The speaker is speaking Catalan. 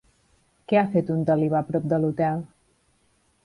Què ha fet un talibà prop de l'hotel?